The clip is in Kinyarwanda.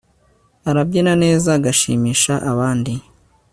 arabyina neza agashimisha abandi